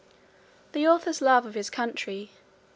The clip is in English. The author's love of his country.